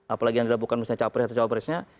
apalagi yang bukan misalnya capres atau cowok presnya